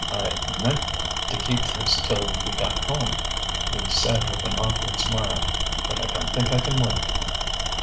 "I'd meant to keep this till we got home," he said with an awkward smile. "But I don't think I can wait...."